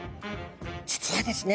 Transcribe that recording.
実はですね